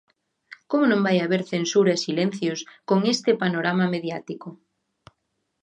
Como non vai haber censura e silencios con este panorama mediático?